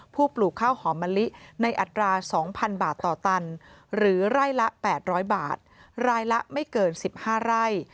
ปลูกข้าวหอมมะลิในอัตรา๒๐๐บาทต่อตันหรือไร่ละ๘๐๐บาทรายละไม่เกิน๑๕ไร่